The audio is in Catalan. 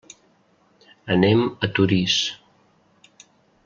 Anem a Torís.